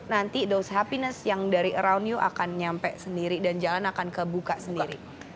nanti dose happiness yang dari around new akan nyampe sendiri dan jalan akan kebuka sendiri